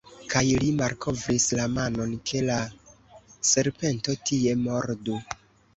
Kaj li malkovris la manon, ke la serpento tie mordu.